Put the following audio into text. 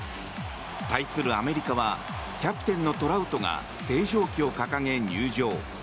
対するアメリカはキャプテンのトラウトが星条旗を掲げ入場。